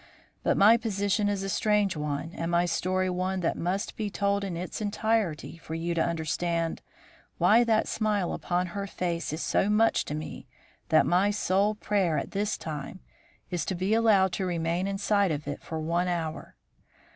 But my position is a strange one and my story one that must be told in its entirety for you to understand why that smile upon her face is so much to me that my sole prayer at this time is to be allowed to remain in sight of it for one hour.